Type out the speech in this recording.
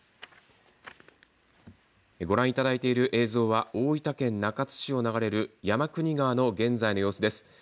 ご覧いただいている映像は大分県中津市を流れる山国川の現在の様子です。